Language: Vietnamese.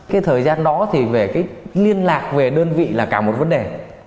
cái thời gian đó thì về cái liên lạc về đơn vị là cả một vấn đề